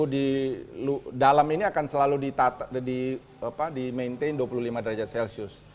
karena suhu di dalam ini akan selalu di maintain dua puluh lima derajat celcius